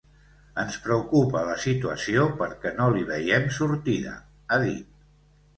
Ens preocupa la situació perquè no li veiem sortida, ha dit.